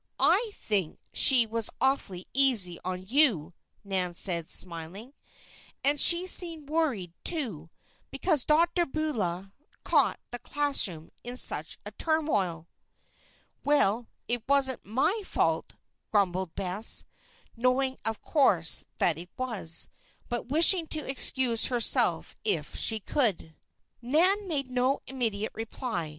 I think she was awfully easy on you," Nan said, smiling. "And she seemed worried, too, because Dr. Beulah caught the classroom in such a turmoil." "Well, it wasn't my fault," grumbled Bess, knowing, of course, that it was, but wishing to excuse herself if she could. Nan made no immediate reply.